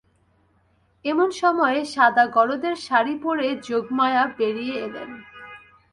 এমন সময়ে সাদা গরদের শাড়ি পরে যোগমায়া বেরিয়ে এলেন।